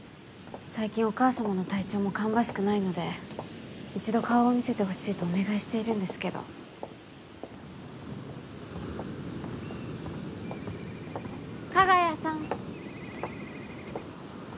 最近お母様の体調も芳しくないので一度顔を見せてほしいとお願いしているんですけど加賀谷さん